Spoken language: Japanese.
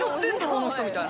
あの人」みたいな。